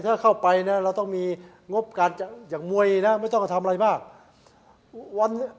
ถ้าเข้าไปนะเราต้องมีงบการจากมวยนะไม่ต้องก็ทำอะไรบ้าง